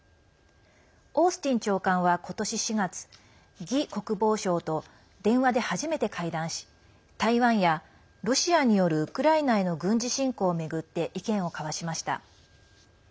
オースティン長官はことし４月魏国防相と電話で初めて会談し台湾やロシアによるウクライナへの軍事侵攻を巡って意見を交わしました。